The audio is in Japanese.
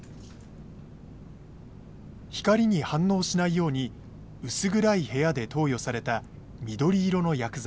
光に反応しないように薄暗い部屋で投与された緑色の薬剤。